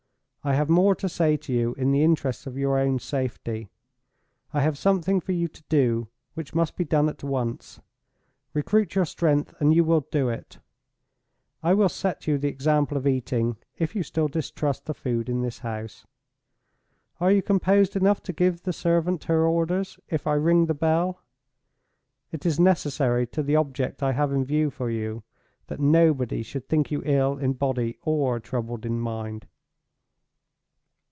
I have more to say to you in the interests of your own safety—I have something for you to do, which must be done at once. Recruit your strength, and you will do it. I will set you the example of eating, if you still distrust the food in this house. Are you composed enough to give the servant her orders, if I ring the bell? It is necessary to the object I have in view for you, that nobody should think you ill in body or troubled in mind.